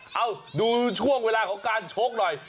เอาดูช่วงเวลาของการชกหน่อย